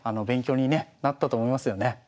勉強にねなったと思いますよね。